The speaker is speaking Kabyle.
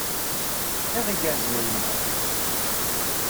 Iḍ igerrzen a yemma!